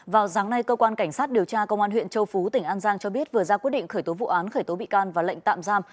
vào sáng nay cơ quan cảnh sát điều tra công an huyện châu phú tỉnh an giang cho biết vừa ra quyết định khởi tố vụ án khởi tố bị can và lệnh tạm giam